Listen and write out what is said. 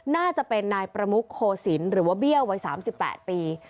น่าจะเป็นนายประมุกโคศิลป์หรือว่าเบี้ยววัย๓๘ปี